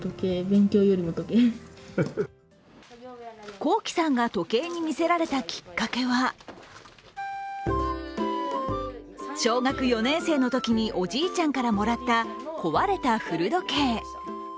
昂輝さんが時計に魅せられたきっかけは小学４年生のときにおじいちゃんからもらった壊れた古時計。